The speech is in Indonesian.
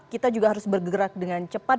kita juga harus bergerak dengan cepat